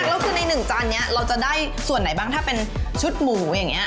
แล้วคือในหนึ่งจานนี้เราจะได้ส่วนไหนบ้างถ้าเป็นชุดหมูอย่างนี้